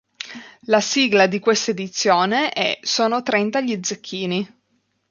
La sigla di questa edizione è "Sono trenta gli Zecchini".